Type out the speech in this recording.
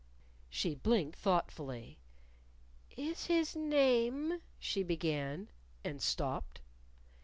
She blinked thoughtfully. "Is his name," she began and stopped.